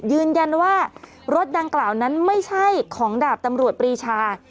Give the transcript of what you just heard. ยืนยันว่ารถดังกล่าวนั้นไม่ใช่ของดาบตำรวจปรีชา